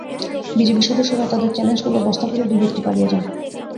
বিজিবির সদস্যরা তাঁদের চ্যালেঞ্জ করলে বস্তা ফেলে দুই ব্যক্তি পালিয়ে যান।